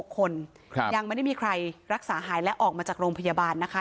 คนยังไม่ได้มีใครรักษาหายและออกมาจากโรงพยาบาลนะคะ